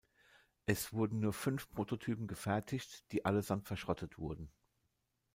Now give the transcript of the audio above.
Es wurden nur fünf Prototypen gefertigt, die allesamt verschrottet wurden.